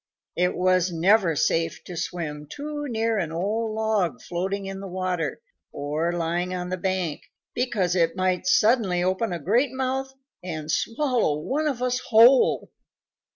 It was never safe to swim too near an old log floating in the water or lying on the bank, because it might suddenly open a great mouth and swallow one of us whole."